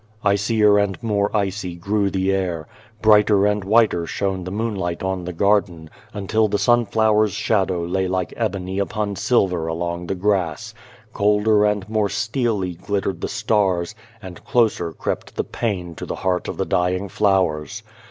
Icier and more icy grew the air ; brighter and whiter shone the moonlight on the garden, until the sunflower's shadow lay like ebony upon silver along the grass ; colder and more steely glittered the stars, and closer crept the pain to the heart of the dying flowers.